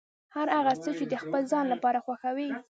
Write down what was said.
هر هغه څه چې د ځان لپاره خوښوې.